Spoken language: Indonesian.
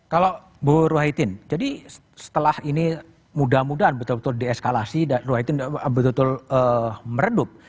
kalau bu ruwaitin jadi setelah ini mudah mudahan betul betul dieskalasi dan ruahitin betul betul meredup